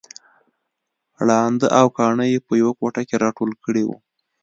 ړانده او کاڼه يې په يوه کوټه کې راټول کړي وو